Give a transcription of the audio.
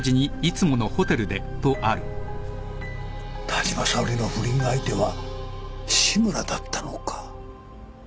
田島沙織の不倫相手は志村だったのか。